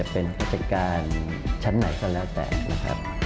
เป็นพจักรการชั้นไหนซักแล้วแต่นะครับ